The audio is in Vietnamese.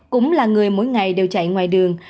cũng là người mỗi ngày đều chạy ngoài đường